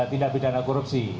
tindak bedana korupsi